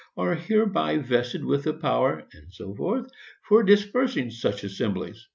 are hereby vested with power, &c., for dispersing such assemblies, &c.